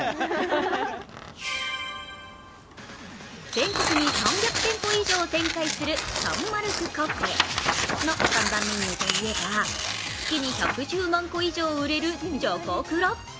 全国に３００店舗以上展開するサンマルクカフェの看板メニューといえば、月に１１０万個以上売れるチョコクロ。